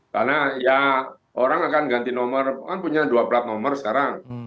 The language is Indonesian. karena ya orang akan ganti nomor kan punya dua platformer sekarang